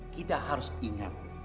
kita harus ingat